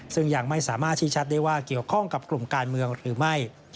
ซึ่งยังไม่สามารถชี้ชัดได้ว่าเกี่ยวข้องกับกลุ่มการเมืองหรือไม่